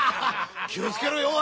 気を付けろよおい。